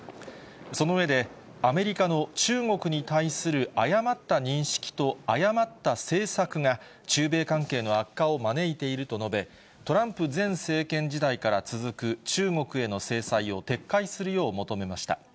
その上で、アメリカの中国に対する誤った認識と誤った政策が、中米関係の悪化を招いていると述べ、トランプ前政権時代から続く中国への制裁を撤回するよう求めました。